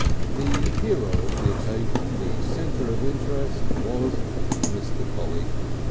The hero of the occasion, the centre of interest, was Mr. Polly.